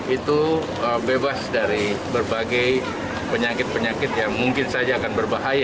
itu bebas dari berbagai penyakit penyakit yang mungkin saja akan berbahaya